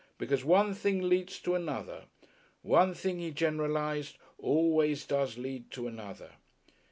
Because one thing leads to another. One thing, he generalized, always does lead to another....